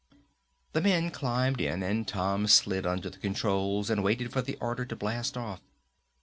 The men climbed in and Tom slid under the controls and waited for the order to blast off.